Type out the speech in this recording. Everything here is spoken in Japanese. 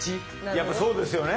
やっぱそうですよね。